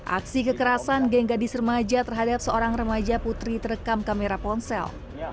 aksi kekerasan geng gadis remaja terhadap seorang remaja putri terekam kamera ponsel